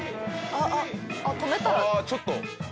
ああちょっと。